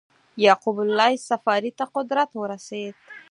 یعقوب اللیث صفاري ته قدرت ورسېد.